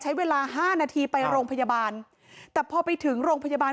ใช้เวลาห้านาทีไปโรงพยาบาลแต่พอไปถึงโรงพยาบาล